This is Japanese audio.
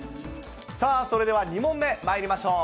さあ、それでは２問目まいりましょう。